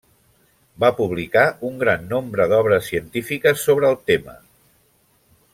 Va publicar un gran nombre d'obres científiques sobre el tema.